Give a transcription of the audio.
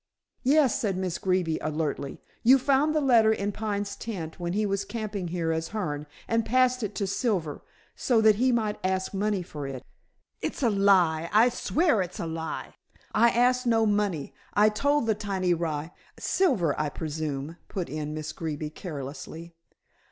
"Yes," said Miss Greeby alertly. "You found the letter in Pine's tent when he was camping here as Hearne, and passed it to Silver so that he might ask money for it." "It's a lie. I swear it's a lie. I ask no money. I told the tiny rye " "Silver, I presume," put in Miss Greeby carelessly.